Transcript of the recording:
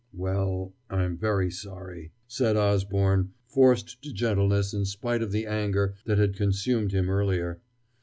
"Well, I am very sorry," said Osborne, forced to gentleness in spite of the anger that had consumed him earlier.